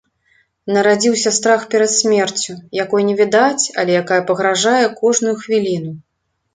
Нарадзіўся страх перад смерцю, якой не відаць, але якая пагражае кожную хвіліну.